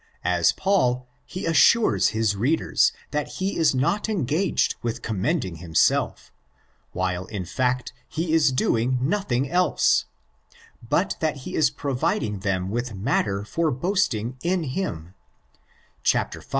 As Paul, he assures his readers that he is not engaged in commending himself—while, in fact, he isdoing nothing else—but that he is providing them with matter for boasting in him (v.